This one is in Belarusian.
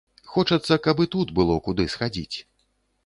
Хочацца, каб і тут было куды схадзіць.